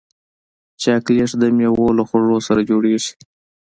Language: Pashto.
چاکلېټ د میوو له خوږو سره جوړېږي.